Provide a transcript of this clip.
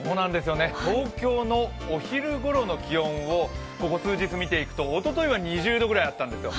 東京のお昼ごろの気温をここ数日見ていくとおとといは２０度くらいあったんですよ。